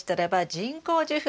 人工授粉。